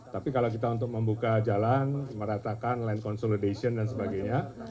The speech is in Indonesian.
tapi kalau kita untuk membuka jalan meratakan land consolidation dan sebagainya